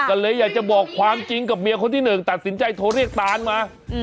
ก็เลยอยากจะบอกความจริงกับเมียคนที่หนึ่งตัดสินใจโทรเรียกตานมา